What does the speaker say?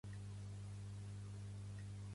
El poble d'Aiòder és d'origen musulmà